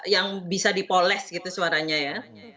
yang bisa dipoles gitu suaranya ya